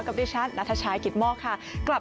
กับดิฉันณระทะชายกิตมภก